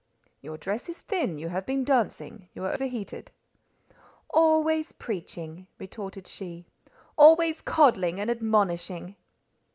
"Your dress is thin, you have been dancing, you are heated." "Always preaching," retorted she; "always coddling and admonishing."